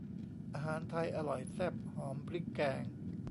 อาหารไทยอร่อยแซ่บหอมพริกแกง